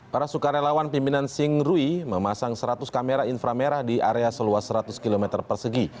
para sukarelawan pimpinan xing rui memasang seratus kamera inframerah di area seluas seratus km persegi